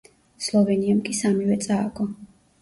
სლოვენიამ კი სამივე წააგო.